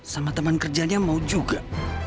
sama teman kerjanya mau juga